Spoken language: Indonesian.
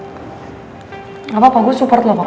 lakin juga gak pernah peduli sama aturan mereka itu